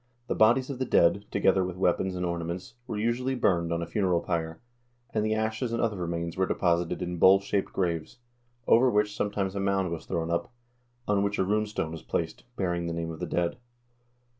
The bodies of the dead, together with weapons and ornaments, were usually burned on a funeral pyre, and the ashes and other remains were deposited in bowl shaped graves, over which some times a mound was thrown up, on which a rune stone was placed, bearing the name of the dead.